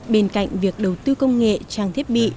bên cạnh việc đầu tư công nghệ trang thiết bị